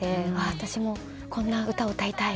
私もこんな歌を歌いたい。